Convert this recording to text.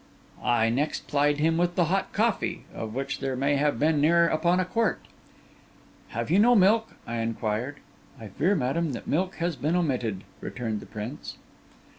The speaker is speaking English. I next plied him with the hot coffee, of which there may have been near upon a quart. 'Have you no milk?' I inquired. 'I fear, madam, that milk has been omitted,' returned the prince.